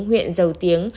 huyện giàu tiếng